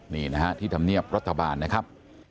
นี่นะครับที่ทำเนียบรัฐบาลนะครับ